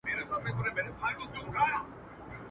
نور به نه کوم ګیلې له توره بخته.